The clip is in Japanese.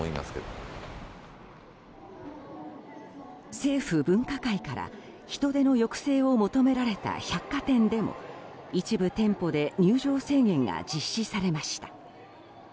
政府分科会から人出の抑制を求められた百貨店でも一部店舗で入場制限が実施されました。